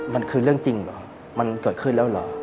มันคือเรื่องจริงเหรอมันเกิดขึ้นแล้วเหรอ